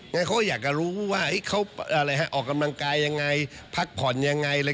เขาก็อยากจะรู้ว่าเขาอะไรฮะออกกำลังกายยังไงพักผ่อนยังไง